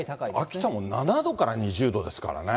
秋田も７度から２０度ですからね。